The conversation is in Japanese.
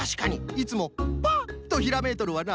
いつもパッとひらめいとるわな。